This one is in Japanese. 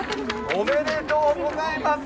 おめでとうございます。